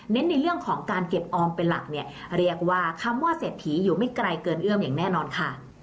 ในเรื่องของการเก็บออมเป็นหลักเนี่ยเรียกว่าคำว่าเศรษฐีอยู่ไม่ไกลเกินเอื้อมอย่างแน่นอนค่ะ